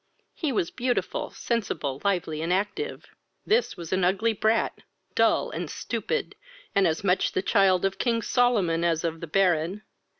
He was beautiful, sensible, lively, and active; this was an ugly brat, dull, and stupid, and as much the child of King Solomon as of the Baron.